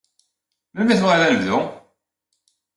Melmi i tebɣiḍ ad nebdu?